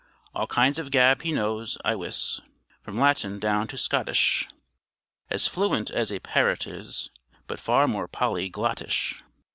All kinds of gab he knows, I wis, From Latin down to Scottish As fluent as a parrot is, But far more Polly glottish.